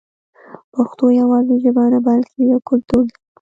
پښتو یوازې ژبه نه بلکې یو کلتور دی.